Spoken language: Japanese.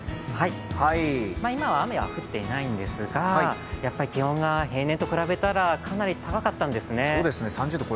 今は雨が降っていないんですが気温が平年と比べたらかなり高かったんです。